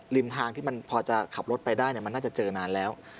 ริมทางที่มันพอจะขับรถไปได้มันน่าจะเจอนานแล้ว